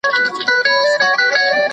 آیا د کتابونو لوستل د پوهې کچه لوړوي؟